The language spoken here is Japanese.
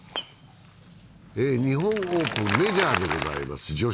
日本オープン、女子のメジャーでございます。